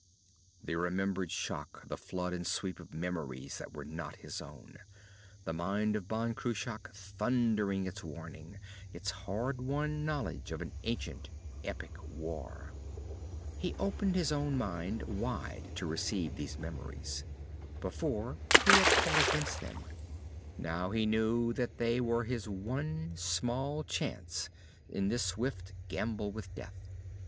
_The remembered shock, the flood and sweep of memories that were not his own. The mind of Ban Cruach thundering its warning, its hard won knowledge of an ancient, epic war...._ He opened his own mind wide to receive those memories. Before he had fought against them. Now he knew that they were his one small chance in this swift gamble with death.